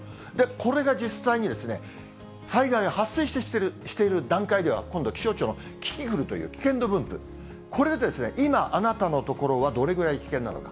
これが実際に、災害が発生している段階では、今度、気象庁のキキクルという危険度分布、これで今、あなたの所はどれぐらい危険なのか。